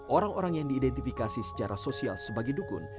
orang orang yang diidentifikasi secara sosial sebagai dukun